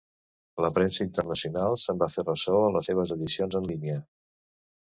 La premsa internacional se'n va fer ressò a les seves edicions en línia.